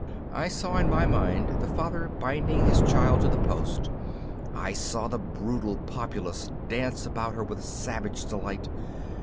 I saw in my mind the father binding his child to the post. I saw the brutal populace dance about her with savage delight.